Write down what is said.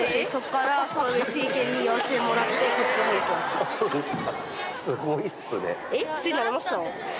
あそうですか。